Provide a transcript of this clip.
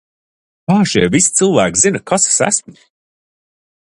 Kā šie visi cilvēki zina, kas es esmu?